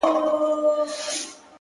o زه ـ